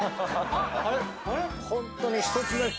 「あれっ⁉」「ホントに１つだけ」